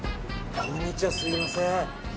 こんにちは、すみません。